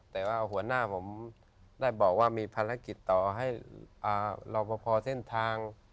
แต่วันนี้ผมได้บอกว่ามีภารกิจต่อให้ลอบบัทเส้นทาง